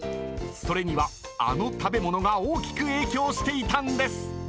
［それにはあの食べ物が大きく影響していたんです］